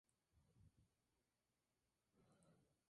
Cinco a diez hojas crecen del ápice de cada rizoma.